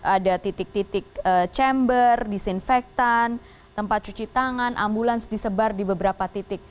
ada titik titik chamber disinfektan tempat cuci tangan ambulans di sebagian